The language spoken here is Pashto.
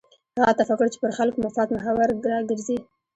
هغه تفکر چې پر خلکو مفاد محور راګرځي.